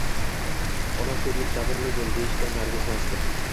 Onam sho`rlik Sabrli bo`l, deyishdan nariga o`tmasdi